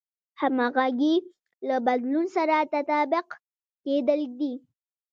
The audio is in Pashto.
همغږي له بدلون سره تطابق کېدل دي.